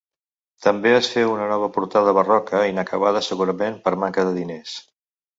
També es féu una nova portada barroca, inacabada segurament per manca de diners.